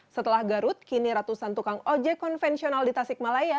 setelah garut kini ratusan tukang ojek konvensional di tasikmalaya